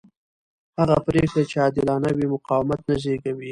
هغه پرېکړې چې عادلانه وي مقاومت نه زېږوي